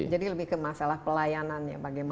jadi lebih ke masalah pelayanannya bagaimana